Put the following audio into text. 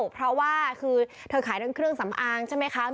เพราะว่าคือเธอขายทั้งเครื่องสำอางใช่ไหมคะ